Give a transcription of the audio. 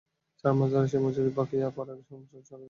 চার মাস ধরে সেই মজুরি বকেয়া পড়ায় সংসার চালাতে কষ্ট হচ্ছে তাঁদের।